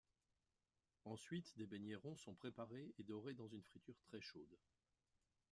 Ensuite, des beignets ronds sont préparés et dorés dans une friture très chaude.